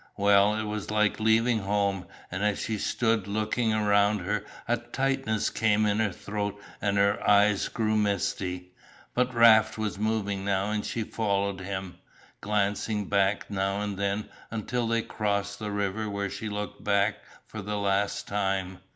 Well, it was like leaving home, and as she stood looking around her a tightness came in her throat and her eyes grew misty. But Raft was moving now and she followed him, glancing back now and then until they crossed the river where she looked back for the last time.